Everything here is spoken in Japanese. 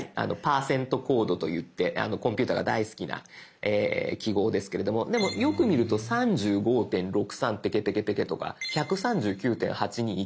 ％コードといってコンピューターが大好きな記号ですけれどもでもよく見ると３５．６３ペケペケペケとか１３９．８２１